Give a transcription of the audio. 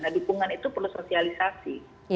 nah dukungan itu perlu sosialisasi